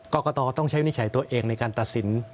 กรกตต้องใช้วินิจฉัยตัวเองในการตัดสิน